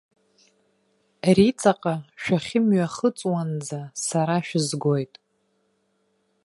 Риҵаҟа шәахьымҩахыҵуанӡа сара шәызгоит.